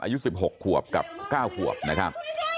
อายุ๑๖ขวบกับ๙ขวบนะครับ